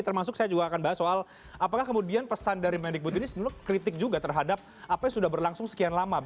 termasuk saya juga akan bahas soal apakah kemudian pesan dari mendikbud ini sebenarnya kritik juga terhadap apa yang sudah berlangsung sekian lama